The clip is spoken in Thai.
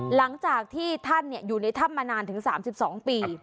หลังจากที่ท่านอยู่ในถ้ำมานานถึงสามสิบสองปี